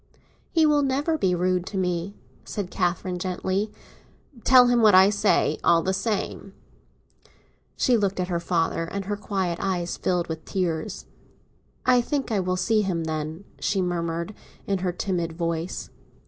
"He will never be rude to me," said Catherine gently. "Tell him what I say, all the same." She looked at her father, and her quiet eyes filled with tears. "I think I will see him, then," she murmured, in her timid voice.